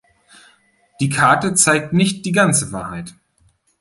Die Karte zeigt nicht die ganze Wahrheit.